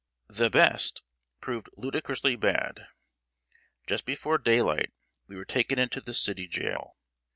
"The best" proved ludicrously bad. Just before daylight we were taken into the city jail.